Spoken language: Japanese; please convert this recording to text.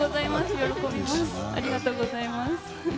喜びます。